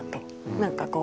何かこう。